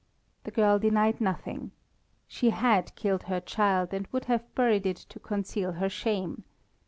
The girl denied nothing. She had killed her child and would have buried it to conceal her shame.